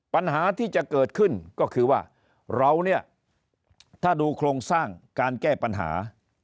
ปัญหาที่จะเกิดขึ้นก็คือว่าเราเนี่ยถ้าดูโครงสร้างการแก้ปัญหา